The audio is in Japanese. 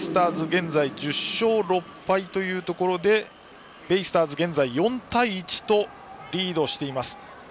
現在１０勝６敗というところでベイスターズは現在４対１とリードしています。